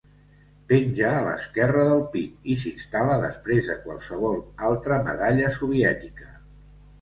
Penja a l'esquerra del pit, i s'instal·la després de qualsevol altra medalla soviètica.